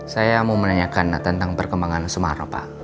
saya mau menanyakan tentang perkembangan sumaro pak